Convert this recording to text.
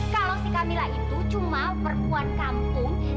kalau si camilla itu cuma perempuan kampung